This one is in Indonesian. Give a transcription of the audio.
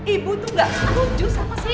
ibu tuh gak setuju sama sih